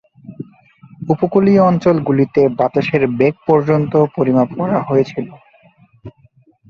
উপকূলীয় অঞ্চলগুলিতে বাতাসের বেগ পর্যন্ত পরিমাপ করা হয়েছিল।